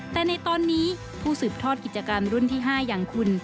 แต่ในตอนนี้ผู้สืบทอดกิจกรรมรุ่นที่๕อย่างคุณ